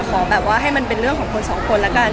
ขอแบบว่าให้มันเป็นเรื่องของคนสองคนละกัน